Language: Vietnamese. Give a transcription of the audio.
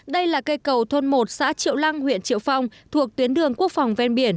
đây là cây cầu thôn một xã triệu lăng huyện triệu phong thuộc tuyến đường quốc phòng ven biển